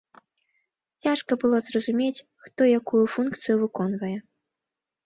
Цяжка было зразумець, хто якую функцыю выконвае.